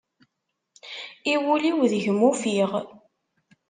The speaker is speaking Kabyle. I wul-iw deg-m ufiɣ.